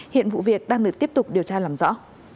hiện vụ việc đang được tiếp tục điều tra làm rõ